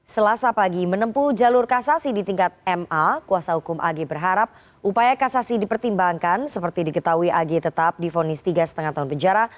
selasa pagi menempuh jalur kasasi di tingkat ma kuasa hukum ag berharap upaya kasasi dipertimbangkan seperti diketahui ag tetap difonis tiga lima tahun penjara